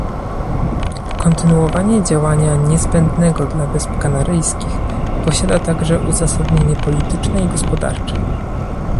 Kontynuowanie działania niezbędnego dla Wysp Kanaryjskich posiada także uzasadnienie polityczne i gospodarcze